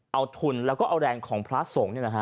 เอาทุนแล้วก็เอาแรงของพระสงฆ์